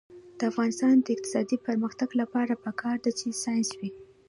د افغانستان د اقتصادي پرمختګ لپاره پکار ده چې ساینس وي.